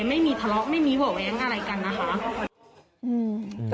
ไม่มีทะเลาะไม่มีบ่อแว้งอะไรกันนะคะ